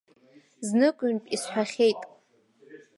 Знык-ҩынтә исҳәахьеит.